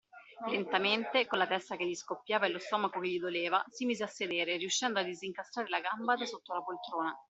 Lentamente, con la testa che gli scoppiava e lo stomaco che gli doleva, si mise a sedere, riuscendo a disincastrare la gamba da sotto la poltrona.